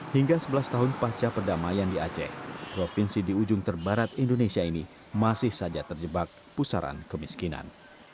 hingga sebelas tahun pasca perdamaian di aceh provinsi di ujung terbarat indonesia ini masih saja terjebak pusaran kemiskinan